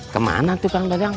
kemana tuh kang dadang